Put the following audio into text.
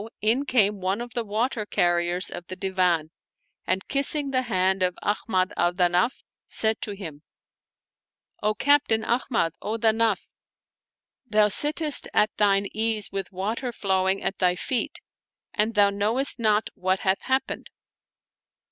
in came one of the water carriers of the Divan and, kissing the hand of Ahmad al Danaf, said to him, " O Captain Ahmad, O Danaf 1 thou sittest at thine ease with water flowing at thy feet, and thou knowest not what hath happened."